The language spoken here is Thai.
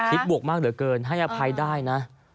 บวกมากเหลือเกินให้อภัยได้นะ